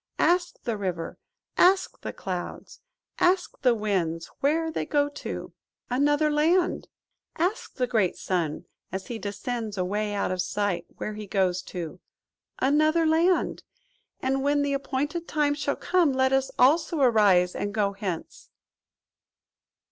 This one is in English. Ask the river, ask the clouds, ask the winds, where they go to:–Another Land! Ask the great sun, as he descends away out of sight, where he goes to:–Another Land! And when the appointed time shall come, let us also arise and go hence."